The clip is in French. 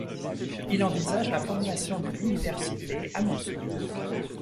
Il envisage la formation d'une université à Moscou.